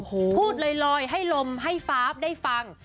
พูดลอยให้ลมให้ฟ้าได้ฟัง